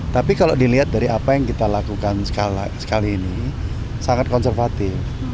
tapi kalau dilihat dari apa yang kita lakukan sekali ini sangat konservatif